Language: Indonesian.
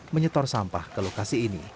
menyetor sampah ke lokasi ini